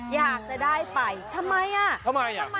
อยากจะได้ไปทำไมอ่ะทำไมอ่ะ